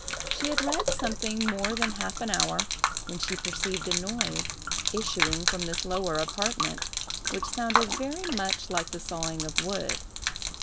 She had read something more than half an hour, when she perceived a noise issuing from this lower apartment, which sounded very much like the sawing of wood.